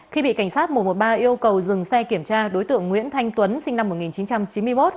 khi bị cảnh sát một trăm một mươi ba yêu cầu dừng xe kiểm tra đối tượng nguyễn thanh tuấn sinh năm một nghìn chín trăm chín mươi một